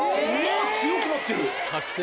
強くなってる！